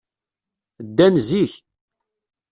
Ddan zik.